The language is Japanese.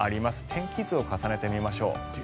天気図を重ねてみましょう。